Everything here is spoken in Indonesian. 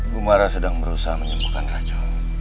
gumara sedang berusaha menyembuhkan raja